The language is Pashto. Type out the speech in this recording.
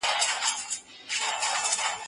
ځواب وليکه،